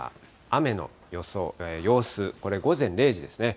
雨の様子、これ午前０時ですね。